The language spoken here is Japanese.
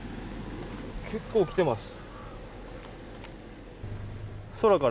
結構、来てます。